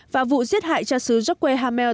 và vụ giết hại cha sứ joaquin hamel